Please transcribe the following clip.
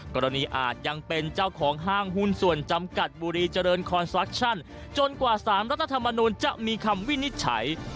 อาจยังเป็นเจ้าของห้างหุ้นส่วนจำกัดบุรีเจริญคอนซักชั่นจนกว่าสารรัฐธรรมนูลจะมีคำวินิจฉัย